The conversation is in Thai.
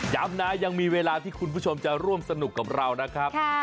ย้ำนะยังมีเวลาที่คุณผู้ชมจะร่วมสนุกกับเรานะครับ